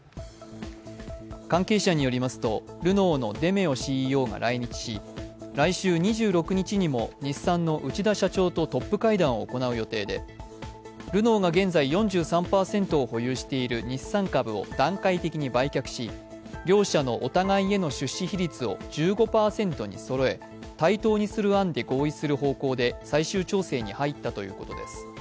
関係者によりますとルノーのデメオＣＥＯが来日し来週２６日にも日産の内田社長とトップ会談を行う予定でルノーが現在４３％を保有している日産株を段階的に売却し両社のお互いへの出資比率を１５％にそろえ、対等にする案で合意する方向で最終調整に入ったということです。